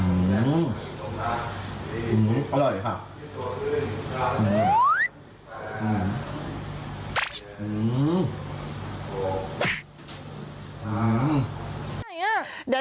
อื้อหืออร่อยค่ะ